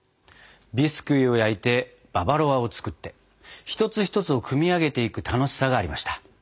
ビスキュイを焼いてババロアを作って一つ一つを組み上げていく楽しさがありました。